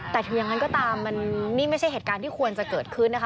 แต่ถึงอย่างนั้นก็ตามมันนี่ไม่ใช่เหตุการณ์ที่ควรจะเกิดขึ้นนะคะ